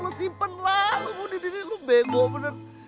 lo simpen lah lo bunuh diri lo bego bener